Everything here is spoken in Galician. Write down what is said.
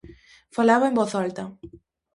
Falaba en voz alta.